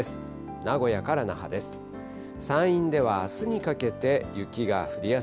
名古屋から那覇です。